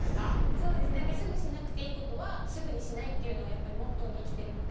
そうですねすぐしなくていいことはすぐにしないっていうのをやっぱりモットーに生きてるので。